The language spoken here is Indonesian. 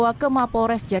yang parah parah itu